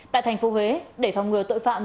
tại tp huế để phòng ngừa tội phạm